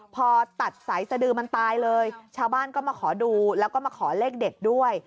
พอตัดสายสดือมันตายเลยชาวบ้านก็มาขอดูแล้วก็มาขอเลขเด็ดด้วย